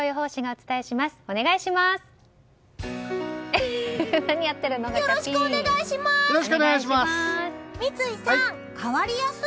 お願いします。